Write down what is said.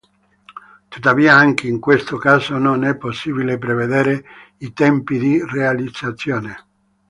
Tuttavia, anche in questo caso non è possibile prevedere i tempi di realizzazione.